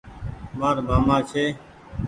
مآر مآمآ ڇي۔